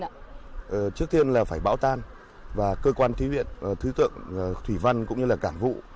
thưa ông trước tiên là phải bảo tan và cơ quan thí viện thí tượng thủy văn cũng như là cảng vụ